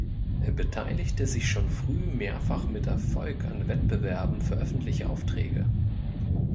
Er beteiligte sich schon früh mehrfach mit Erfolg an Wettbewerben für öffentliche Aufträge.